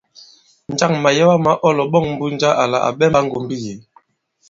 Njâŋ màyɛwa mā ɔ lɔ̀ɓɔ̂ŋ Mbunja àla à ɓɛmbā ŋgɔ̀mbi yě ?